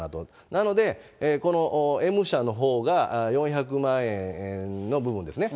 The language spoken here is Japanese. なので、このＭ社のほうが４００万円の部分ですね。